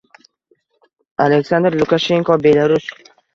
Aleksandr Lukashenko: Belarus